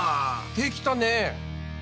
できたね！